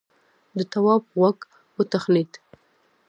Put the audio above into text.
د تواب غوږ وتخڼېد.